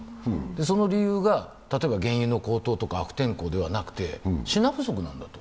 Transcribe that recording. その理由が例えば原油の高騰とか悪天候ではなくて品不足なんだと。